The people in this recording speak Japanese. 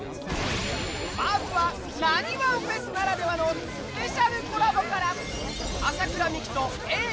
まずは「なにわんＦＥＳ」ならではのスペシャルコラボから麻倉未稀とＡぇ！